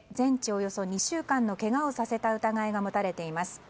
およそ２週間のけがをさせた疑いが持たれています。